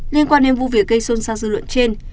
liên quan đến vụ việc gây xôn xa dư luận trên